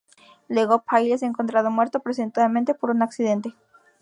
Luego, Pyle es encontrado muerto, presuntamente por un accidente.